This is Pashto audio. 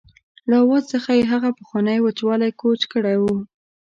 له آواز څخه یې هغه پخوانی وچوالی کوچ کړی و.